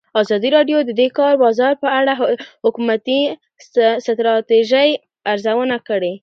ازادي راډیو د د کار بازار په اړه د حکومتي ستراتیژۍ ارزونه کړې.